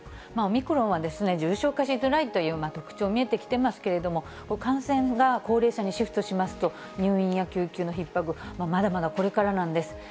オミクロンは、重症化しづらいという特徴見えてきてますけれども、感染が高齢者にシフトしますと、入院や救急のひっ迫、まだまだこれからなんです。